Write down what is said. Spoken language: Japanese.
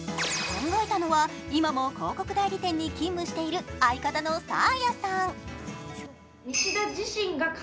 考えたのは今も広告代理店に勤務している、相方のサーヤさん。